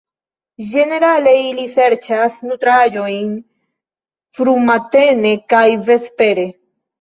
Ĝenerale ili serĉas nutraĵojn frumatene kaj vespere.